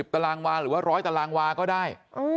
๖๐ตรวหรือว่า๑๐๐ตรวก็ได้